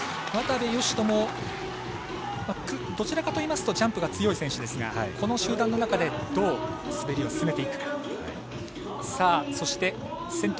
渡部善斗もどちらかといいますとジャンプが強い選手ですがこの集団の中でどう滑りを進めていくか。